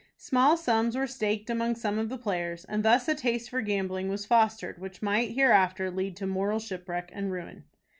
Small sums were staked among some of the players, and thus a taste for gambling was fostered which might hereafter lead to moral shipwreck and ruin.